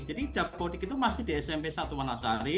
jadi dapodik itu masih di smp satu manasari